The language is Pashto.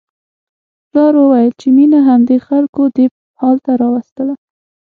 پلار وویل چې مينه همدې خلکو دې حال ته راوستله